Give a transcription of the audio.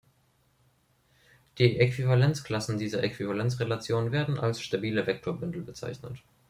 Die Äquivalenzklassen dieser Äquivalenzrelation werden als "stabile Vektorbündel" bezeichnet.